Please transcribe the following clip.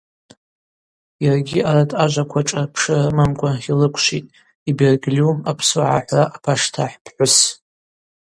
Йаргьи арат ажваква шӏырпшыра рымамкӏва йлыквшвитӏ йбергьльу апсуа гӏахӏвра апаштахӏ пхӏвыс.